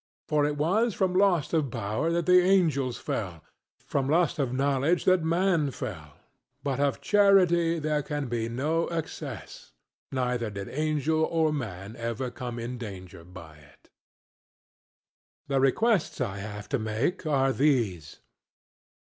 For it was from lust of power that the angels fell, from lust of knowledge that man fell; but of charity there can be no excess, neither did angel or man ever come in danger by it. The requests I have to make are these.